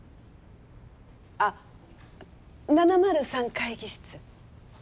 あっ７０３会議室。